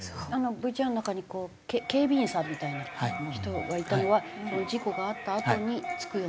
ＶＴＲの中にこう警備員さんみたいな人がいたのは事故があったあとに付くように。